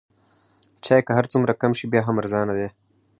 چای که هر څومره کم شي بیا هم ارزانه دی.